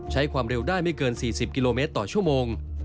ใช้ความเร็วได้ไม่เกิน๔๐กิโลเมตรต่อชั่วโมง